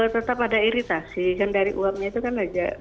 tetap ada iritasi kan dari uapnya itu kan ada